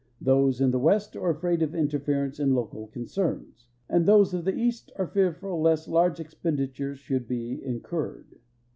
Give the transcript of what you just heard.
Those in the West are afraid of interference in local concerns, and those of the East are fearful lest large expenditures should be incurred.